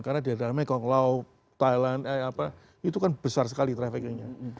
karena di dalam mekong laos thailand itu kan besar sekali traffic nya